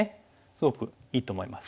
すごくいいと思います。